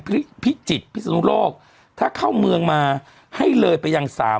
พิพิจิตรพิศนุโลกถ้าเข้าเมืองมาให้เลยไปยังสาม